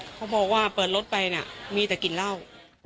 เขาบอกว่าเปิดรถไปน่ะมีแต่กลิ่นเหล้า